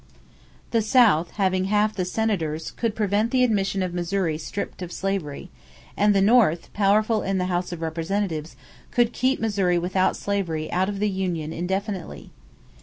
The South, having half the Senators, could prevent the admission of Missouri stripped of slavery; and the North, powerful in the House of Representatives, could keep Missouri with slavery out of the union indefinitely.